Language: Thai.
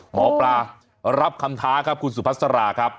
หมอปลารับคำท้าครับคุณสุพัสราครับ